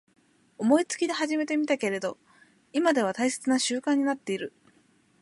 思いつきで始めてみたけど今では大切な習慣になってる